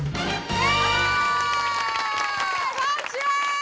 え